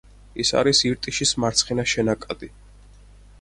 ის არის ირტიშის მარცხენა შენაკადი.